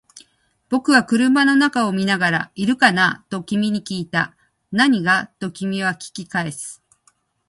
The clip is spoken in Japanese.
僕は車の中を見ながら、いるかな？と君に訊いた。何が？と君は訊き返す。